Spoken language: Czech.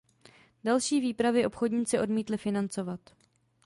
Další výpravy obchodníci odmítli financovat.